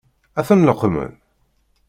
Ad ten-leqqmen?